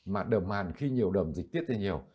mà đờm hàn khi nhiều đờm dịch tiết thì nhiều